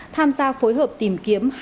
tham gia phối hợp tìm kiếm